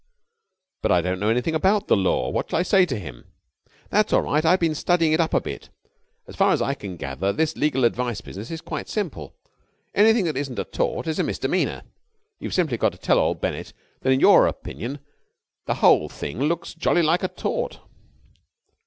"But I don't know anything about the law. What shall I say to him?" "That's all right. I've been studying it up a bit. As far as I can gather, this legal advice business is quite simple. Anything that isn't a tort is a misdemeanour. You've simply got to tell old Bennett that in your opinion the whole thing looks jolly like a tort."